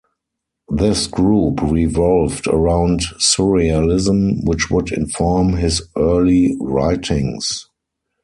This group revolved around Surrealism which would inform his early writings.